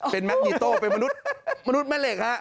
เป็นแมคนิโต้เป็นมนุษย์แม่เหล็กฮะ